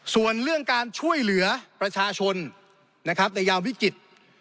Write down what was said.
ส่วนเรื่องการช่วยเหลือประชาชนนะครับในยามวิกฤต